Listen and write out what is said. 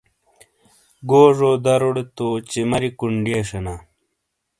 گوجو داروڑے تو چِماریئے کُنڈیئے شینا۔